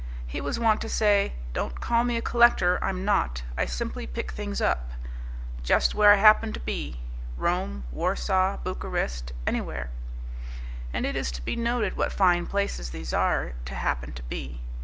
He was wont to say, "Don't call me a collector, I'm not. I simply pick things up. Just where I happen to be, Rome, Warsaw, Bucharest, anywhere" and it is to be noted what fine places these are to happen to be.